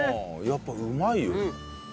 やっぱうまいよ。